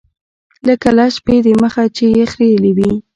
لکه لس شپې د مخه چې يې خرييلي وي.